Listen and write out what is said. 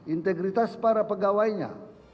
integritas para pegawainya